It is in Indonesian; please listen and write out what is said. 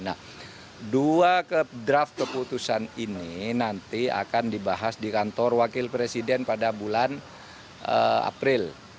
nah dua draft keputusan ini nanti akan dibahas di kantor wakil presiden pada bulan april